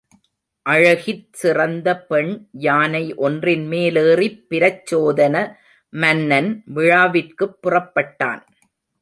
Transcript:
அழகிற் சிறந்த பெண் யானை ஒன்றின் மேலேறிப் பிரச்சோதன மன்னன் விழாவிற்குப் புறப்பட்டான்.